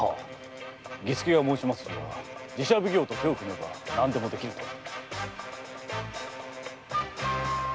儀助が申しますには寺社奉行と手を組めば何でもできると。